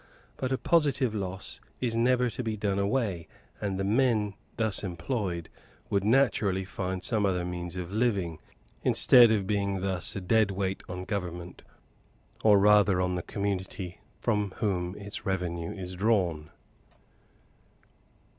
But a positive loss is never to be done away; and the men, thus employed, would naturally find some other means of living, instead of being thus a dead weight on Government, or rather on the community from whom its revenue is drawn.